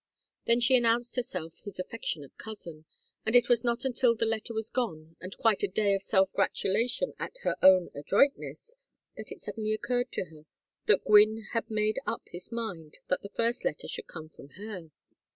Then she announced herself his affectionate cousin; and it was not until the letter was gone, and quite a day of self gratulation at her own adroitness, that it suddenly occurred to her that Gwynne had made up his mind that the first letter should come from her.